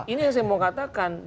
ini yang saya mau katakan